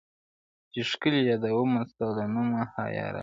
،چي ښکلي یادومه ستا له نومه حیا راسي،